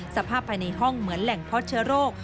สภาพภายในห้องเหมือนแหล่งเพาะเชื้อโรค